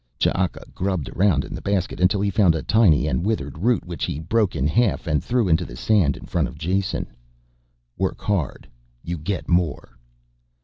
Ch'aka grubbed around in the basket until he found a tiny and withered root which he broke in half and threw onto the sand in front of Jason. "Work hard you get more."